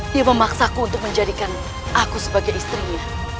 dia memaksaku untuk menjadikan aku sebagai istrinya